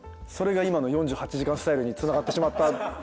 それが今の４８時間スタイルにつながってしまった。